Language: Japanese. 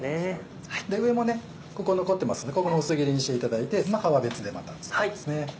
上もねここ残ってますのでここも薄切りにしていただいて葉は別でまた使いますね。